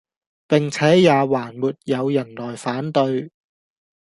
並且也還沒有人來反對，